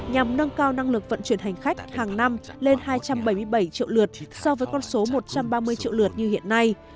nhằm nâng cao năng lực vận chuyển hành khách hàng năm lên hai trăm bảy mươi bảy triệu lượt so với con số một trăm ba mươi triệu lượt như hiện nay